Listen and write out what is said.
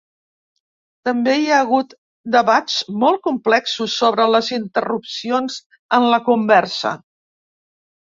També hi ha hagut debats molt complexos sobre les interrupcions en la conversa.